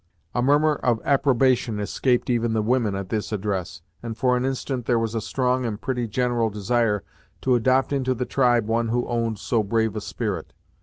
A murmur of approbation escaped even the women at this address, and, for an instant there was a strong and pretty general desire to adopt into the tribe one who owned so brave a spirit.